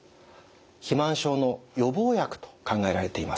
肥満症の予防薬と考えられています。